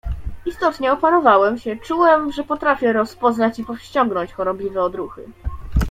"Istotnie opanowałem się, czułem, że potrafię rozpoznać i powściągnąć chorobliwe odruchy."